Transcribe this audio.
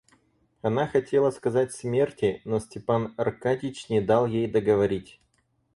Она хотела сказать смерти, но Степан Аркадьич не дал ей договорить.